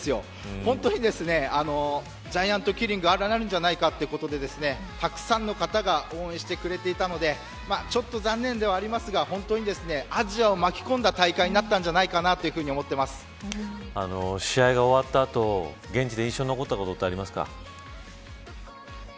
本当に、ジャイアントキリングあるんじゃないかということでたくさんの方が応援してくれていたのでちょっと残念ではありますが本当にアジアを巻き込んだ大会になったんじゃないかと試合が終わった後現地で印象に残ったことはありますか。